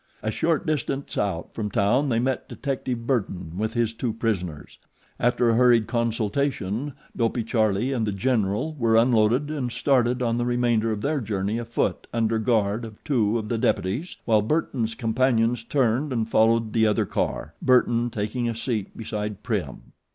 A short distance out from town they met detective Burton with his two prisoners. After a hurried consultation Dopey Charlie and The General were unloaded and started on the remainder of their journey afoot under guard of two of the deputies, while Burton's companions turned and followed the other car, Burton taking a seat beside Prim.